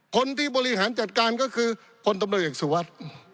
คนที่บริหารจัดการก็คือพลตำรวจเอกสุวัสดิ์